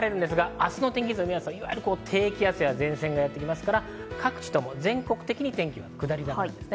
まずは明日の天気図を見ますと、低気圧が前線にやってきますから、各地とも全国的に天気は下り坂です。